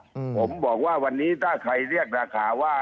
ผมบอกว่าวันนี้ถ้าใครเรียกราคาว่า